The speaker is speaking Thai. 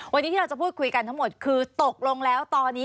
วันนี้ที่เราจะพูดคุยกันทั้งหมดคือตกลงแล้วตอนนี้